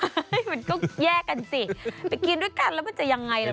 มันก็แยกกันสิไปกินด้วยกันแล้วมันจะยังไงล่ะ